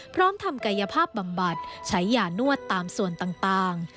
พร้อมทำกายภาพบำบัดใช้ยานวดตามส่วนต่าง